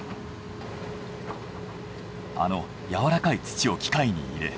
あの柔らかい土を機械に入れ